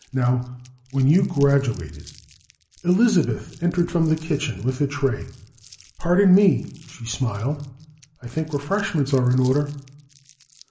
Now, when you graduated " Elizabeth entered from the kitchen with a tray. "Pardon me," she smiled. "I think refreshments are in order."